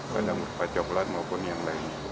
kondisi coklat maupun yang lain